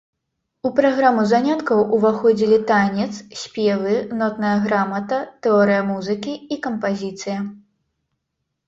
У праграму заняткаў уваходзілі танец, спевы, нотная грамата, тэорыя музыкі і кампазіцыя.